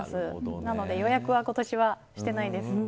なので予約は今年はしていないです。